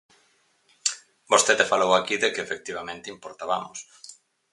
Vostede falou aquí de que, efectivamente, importabamos.